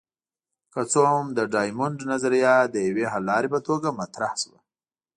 که څه هم د ډایمونډ نظریه د یوې حللارې په توګه مطرح شوه.